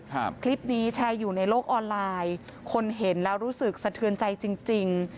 คลิปนี้แชร์อยู่ในโลกออนไลน์คนเห็นแล้วรู้สึกสะเทือนใจจริงจริง